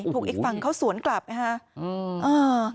ถูกอีกฝั่งเขาสวนกลับนะคะ